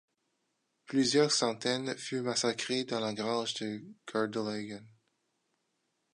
Plusieurs centaines furent massacrés dans la grange de Gardelegen.